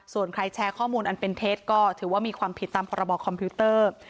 ส่วนใครแชร์ข้อมูลอันเป็นเท็จก็ถือว่ามีความผิดตามพรบคอมพิวเตอร์